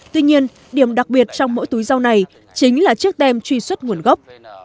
tuy nhiên điểm đặc biệt trong mỗi túi rau này chính là chiếc tem truy xuất nguồn gốc